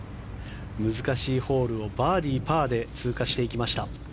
難しいホールをバーディー、パーで通過していきました。